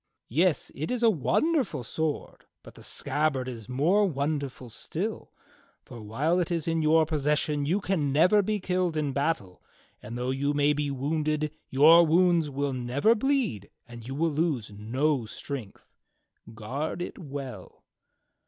Yes, it is a wonderful sword, but the scabbard is more wonderful still; for while it is in your possession you can never be killed in battle, and though you may be wounded your wounds will never bleed and you will lose no strength. Guard it well."